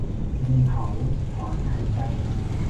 ดินเผาถอนหายใจ